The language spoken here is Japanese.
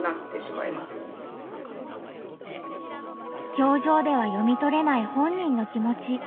表情では読みとれない本人の気持ち。